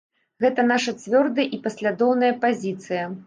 Гэта наша цвёрдая і паслядоўная пазіцыя.